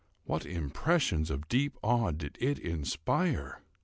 What impressions of deep awe did it inspire!